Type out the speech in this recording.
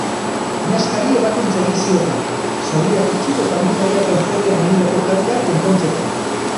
Neskari ebakuntza egin zioten, zauriak itxi eta animaliak aurpegian egindako kalteak konpontzeko.